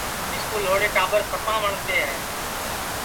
مِسکُو لھوڑے ٹاٻر سپا وٹؔتے ہے